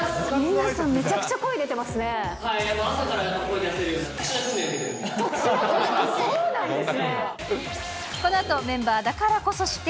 皆さん、めちゃくちゃ声出て